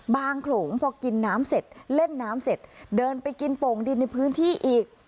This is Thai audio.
โขลงพอกินน้ำเสร็จเล่นน้ำเสร็จเดินไปกินโป่งดินในพื้นที่อีก